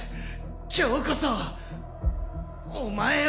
今日こそお前を！